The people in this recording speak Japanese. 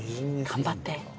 頑張って。